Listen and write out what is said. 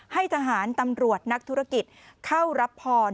ให้ทหารตำรวจนักธุรกิจเข้ารับพร